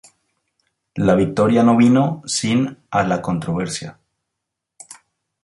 La victoria no vino sin a la controversia.